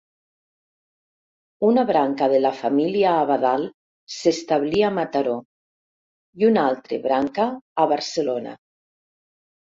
Una branca de la família Abadal s'establí a Mataró i un altre branca a Barcelona.